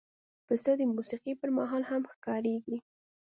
پسه د موسیقۍ پر مهال هم ښکارېږي.